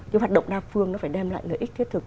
cái hoạt động đa phương nó phải đem lại lợi ích thiết thực